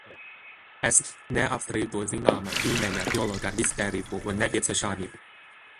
Es neapstrīdu zināma līmeņa dialoga lietderību un nepieciešamību.